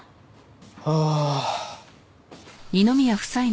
ああ。